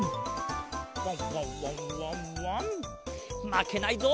まけないぞ。